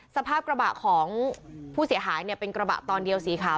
สภาพกระบะของผู้เสียหายเนี่ยเป็นกระบะตอนเดียวสีขาว